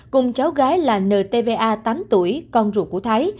cùng cháu gái là ntva tám tuổi con ruột của thái